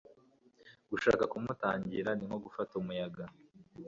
gushaka kumutangira ni nko gufata umuyaga